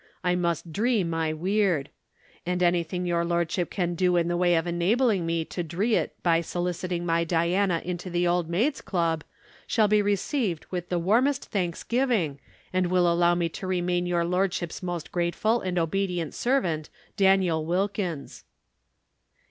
I must dree my weird. And anything your lordship can do in the way of enabling me to dree it by soliciting my Diana into the Old Maids' Club, shall be received with the warmest thanksgiving and will allow me to remain your lordship's most grateful and obedient servant, Daniel Wilkins."